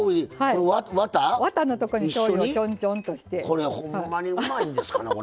これ、ほんまにうまいんですかな。